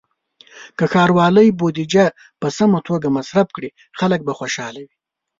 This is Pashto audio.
که ښاروالۍ بودیجه په سمه توګه مصرف کړي، خلک به خوشحاله وي.